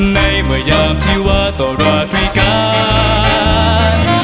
ในเมื่อยามที่ว่าต่อรอด้วยกัน